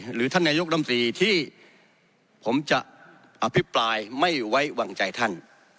หรือท่านนายกรัมตรีที่ผมจะอภิปรายไม่ไว้วางใจท่าน